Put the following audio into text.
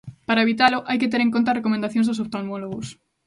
Para evitalo, hai que ter en conta as recomendacións dos oftalmólogos.